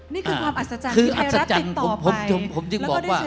นี่คือความอัศจรรย์ที่ไทยรัฐติดต่อไป